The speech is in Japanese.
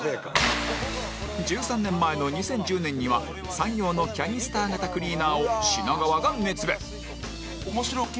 １３年前の２０１０年には ＳＡＮＹＯ のキャニスター型クリーナーを品川が熱弁